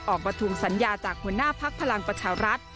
ออกมาทวงสัญญาจากหัวหน้าพักพลังประชารัฐ